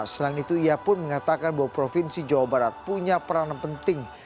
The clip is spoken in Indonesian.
selain itu ia pun mengatakan bahwa provinsi jawa barat punya peran penting